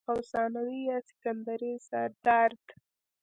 او ثانوي يا سيکنډري سردرد